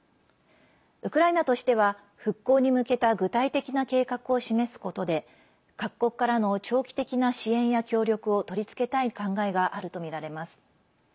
ウクライナとしては復興に向けた具体的な計画を示すことで各国からの長期的な支援や協力を取り付けたい考えがあるとみられます。